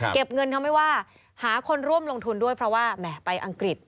เก็บเงินทำให้ว่าหาคนร่วมลงทุนด้วยเพราะว่าแหมไปอังกฤษ